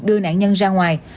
đưa nạn nhân ra ngoài